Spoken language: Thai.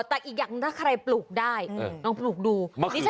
แต่อีกอย่างถ้าใครปลูกได้ลองปลูกดู